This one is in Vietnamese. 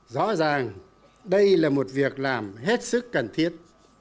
rõ ràng đây là một việc làm hết sức cần thiết